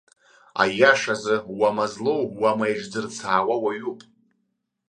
Аиашазы, уама злоу, уама еиҿзырцаауа уаҩуп.